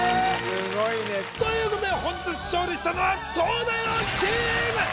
すごいねということで本日勝利したのは東大王チーム！